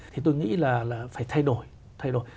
thì tôi nghĩ là phải thay đổi